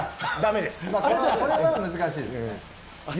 これじゃ難しいですね。